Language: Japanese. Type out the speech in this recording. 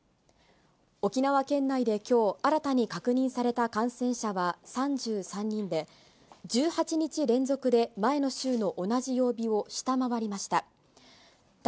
沖縄県内できょう、新たに確認された感染者は３３人で、１８日連続で前の週の同じ曜日を下回りました。